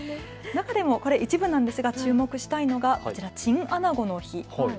中でもこれは一部なんですが注目したいのがチンアナゴの日。